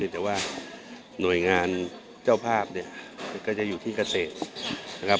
แต่ว่าหน่วยงานเจ้าภาพเนี่ยก็จะอยู่ที่เกษตรนะครับ